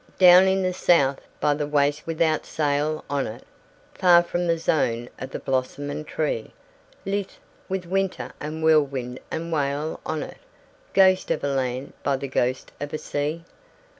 Down in the South, by the waste without sail on it Far from the zone of the blossom and tree Lieth, with winter and whirlwind and wail on it, Ghost of a land by the ghost of a sea.